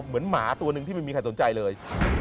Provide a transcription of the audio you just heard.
หมาตัวหนึ่งที่ไม่มีใครสนใจเลย